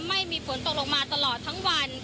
ไม่มีฝนตกลงมาตลอดทั้งวัน